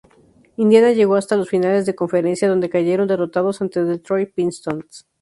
Indiana llegó hasta las finales de conferencia, donde cayeron derrotados ante Detroit Pistons.